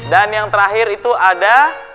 dan yang terakhir itu ada